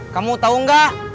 kamu tau gak